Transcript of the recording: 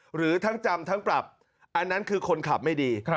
หรือทั้งจำทั้งปรับอันนั้นคือคนขับไม่ดี